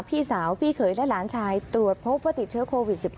พี่สาวพี่เขยและหลานชายตรวจพบว่าติดเชื้อโควิด๑๙